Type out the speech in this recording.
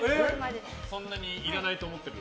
そんなにいらないと思ってるの？